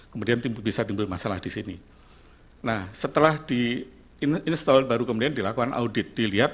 kemudian timbul bisa timbul masalah di sini nah setelah di install baru kemudian dilakukan audit dilihat